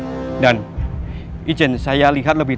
artists dan warga mereka bisa mnellah semua hal hari dependa pada si jey